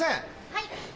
はい。